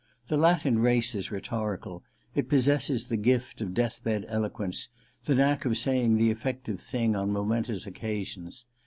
The Latin race is rhetorical : it . possesses the gift of death bed eloquence, the { knack of saying the effective thing on momen 1 tous occasions.